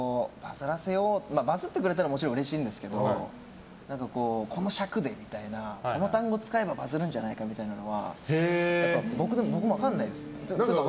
バズってくれたらもちろんうれしいんですけどこの尺でみたいなこの単語使えばバズるんじゃないかみたいなのは僕も分からないです。